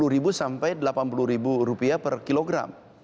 tujuh puluh ribu sampai delapan puluh ribu rupiah per kilogram